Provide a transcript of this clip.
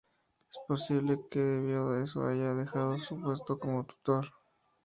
Es posible que debido a eso haya dejado su puesto como tutor.